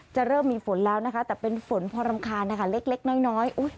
เริ่มมีฝนแล้วนะคะแต่เป็นฝนพอรำคาญนะคะเล็กน้อย